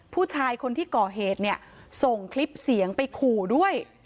ผู้ชายคนที่ก่อเหตุเนี่ยส่งคลิปเสียงไปขู่ด้วย